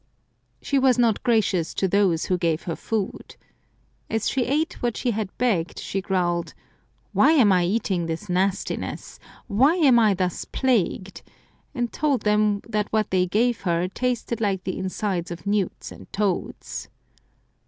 She was not gracious to those who gave her food. As she ate what she had begged, she growled, " Why am I eating this nastiness ? Why am I thus plagued ?" and told them that what they gave her tasted like the insides of newts and toads.